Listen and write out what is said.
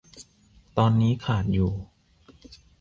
ตอนนี้ขาดอยู่